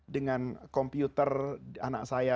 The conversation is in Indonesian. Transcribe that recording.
dengan komputer anak saya